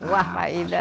wah pak ida